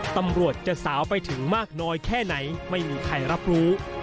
ตำรวจจะสาวไปถึงมากน้อยแค่ไหนไม่มีใครรับรู้